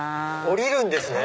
降りるんですね！